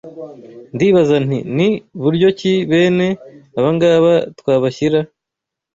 Ndibaza nti, ni buryo ki bene abangaba twabashyira